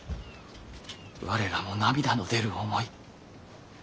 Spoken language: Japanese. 我らも涙の出る思い。